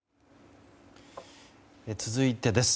続いてです。